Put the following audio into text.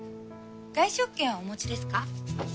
外食券はお持ちですか。